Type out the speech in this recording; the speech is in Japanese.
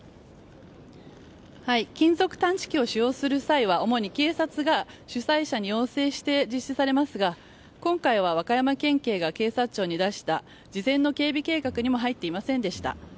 金属探知機を使用する際は主に警察が主催者に要請して実施されますが今回は和歌山県警が警察庁に出した事前の警備計画にも入っていませんでした。